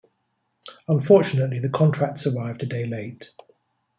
Unfortunately the contracts arrived a day late.